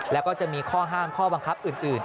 แล้วก็จะมีข้อห้ามข้อบังคับอื่น